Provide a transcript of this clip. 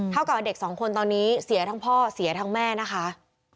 กับเด็กสองคนตอนนี้เสียทั้งพ่อเสียทั้งแม่นะคะ